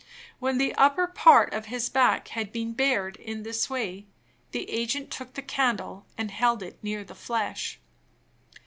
When the upper part of his back had been bared in this way, the agent took the candle and held it near the flesh.